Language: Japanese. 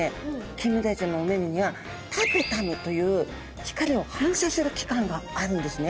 キンメダイちゃんのお目々にはタペタムという光を反射する器官があるんですね。